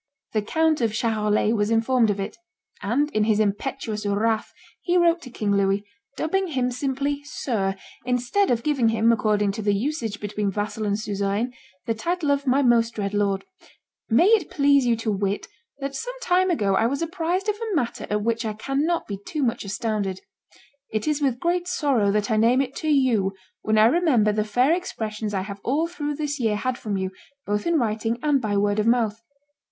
The Count of Charolais was informed of it; and in his impetuous wrath he wrote to King Louis, dubbing him simply Sir, instead of giving him, according to the usage between vassal and suzerain, the title of My most dread lord, "May it please you to wit, that some time ago I was apprised of a matter at which I cannot be too much astounded. It is with great sorrow that I name it to you, when I remember the fair expressions I have all through this year had from you, both in writing and by word of mouth.